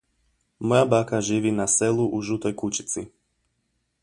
Moja baka živi na selu u žutoj kućici.